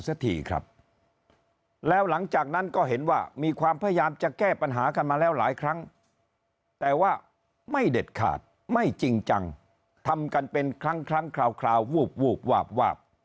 สักทีครับแล้วหลังจากนั้นก็เห็นว่ามีความพยายามจะแก้ปัญหากันมาแล้วหลายครั้งแต่ว่าไม่เด็ดขาดไม่จริงจังทำกันเป็นครั้งครั้งคราววูบวูบวาบวาบ